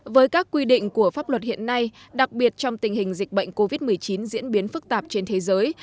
với các quy định của pháp luật hiện nay đặc biệt trong tình hình dịch bệnh covid một mươi chín diễn biến phức tạp trên thế giới